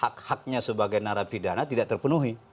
justru malah hak haknya sebagai narapidana tidak terpenuhi